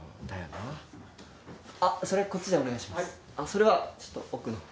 それはちょっと奥の方。